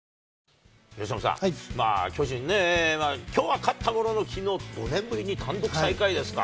由伸さん、巨人ね、きょうは勝ったもののきのう、５年ぶりに単独最下位ですか。